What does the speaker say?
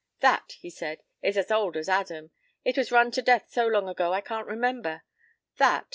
p> "That," he said, "is as old as Adam. It was run to death so long ago I can't remember. That?